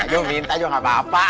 gue minta juga gak apa apa